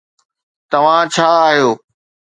توهان ڇا آهيو؟